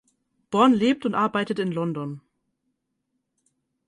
Born lebt und arbeitet in London.